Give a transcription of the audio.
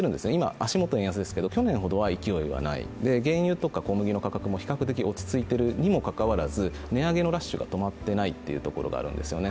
足下は円安ですけど、去年よりは勢いがない原油とか小麦の価格も比較的落ち着いているにもかかわらず値上げのラッシュが止まっていないというところがあるんですよね。